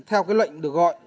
theo cái lệnh được gọi